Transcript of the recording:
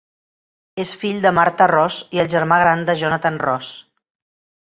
És fill de Martha Ross i el germà gran de Jonathan Ross.